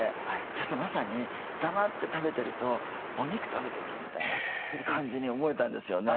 そしたらまさに黙って食べてるとお肉食べてるみたいな感じに思えたんですよね。